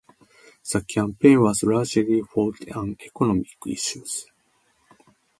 The campaign was largely fought on economic issues.